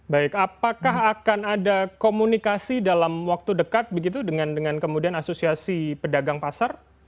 baik apakah akan ada komunikasi dalam waktu dekat begitu dengan kemudian asosiasi pedagang pasar